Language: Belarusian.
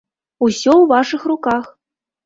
Усё ў вашых руках!